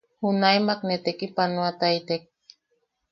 Junaemak ne tekipanoataitek.